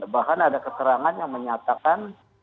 bahkan ada keterangan yang menyatakan